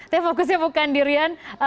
tapi fokusnya bukan di rian